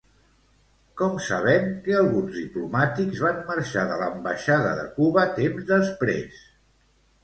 Com sabem que alguns diplomàtics van marxar de l'Ambaixada de Cuba temps després?